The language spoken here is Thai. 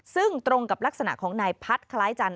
ซึ่งตรงกับลักษณะของนายพัฒน์คล้ายจันท